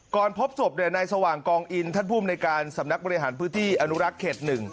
พบศพนายสว่างกองอินท่านภูมิในการสำนักบริหารพื้นที่อนุรักษ์เขต๑